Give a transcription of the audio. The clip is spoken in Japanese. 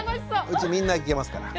うちみんないけますから。